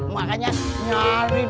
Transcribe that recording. makanya nyari dong